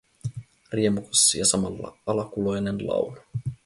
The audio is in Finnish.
Riemukas ja samalla alakuloinen laulu.